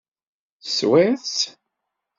Teswiḍ-tt?